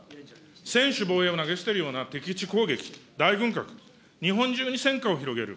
専守防衛を投げ捨てるような敵基地攻撃、大軍拡、日本中に戦火を広げる。